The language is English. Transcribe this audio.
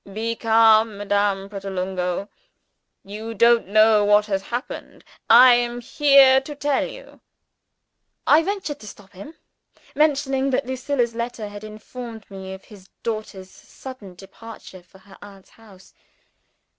Be calm, Madame Pratolungo! you don't know what has happened. I am here to tell you." I ventured to stop him: mentioning that Lucilla's letter had informed me of his daughter's sudden departure for her aunt's house.